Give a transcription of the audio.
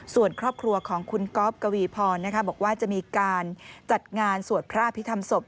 ส่วนครอบครัวของคุณก๊อฟกวีพรบอกว่าจะมีการจัดงานสวดพระอภิษฐรรมศพ